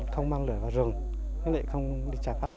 không mang lửa vào rừng nó lại không được trà phát